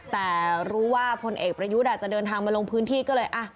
แต่รู้ว่าพลเอกประยุทธ์จะเดินทางมาลงพื้นที่ก็เลย